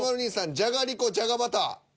「じゃがりこじゃがバター」。